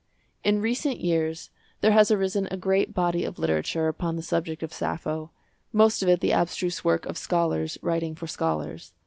In recent years there has arisen a great body of literature upon the subject of Sappho, most of it the abstruse work of scholars writing for scholars.